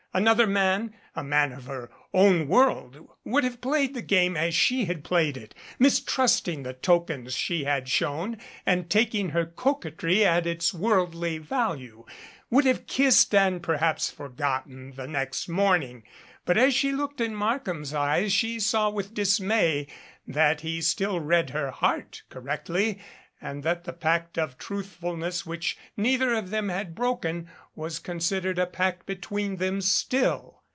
Another man a man of her own world would have played the game as she had played it, mistrusting the tokens she had shown and taking her 77 coquetry at its worldly value ; would have kissed and per haps forgotten the next morning. But as she looked in Markham's eyes she saw with dismay that he still read her heart correctly and that the pact of truthfulness which neither of them had broken was considered a pact between them still.